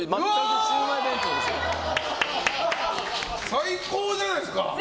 最高じゃないですか！